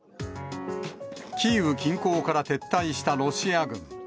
キーウ近郊から撤退したロシア軍。